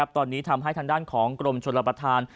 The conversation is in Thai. ตอนนี้ทำให้ทางด้านของกรมชนรับประทาน